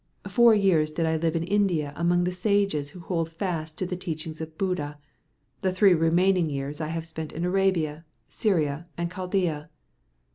Four years did I live in India among the sages who hold fast to the teaching of Buddha. The three remaining years I have spent in Arabia, Syria, and Chaldea."